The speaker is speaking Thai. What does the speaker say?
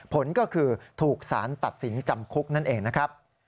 ผลก็คือถูกสารตัดสินจำคุกนั่นเองนะครับ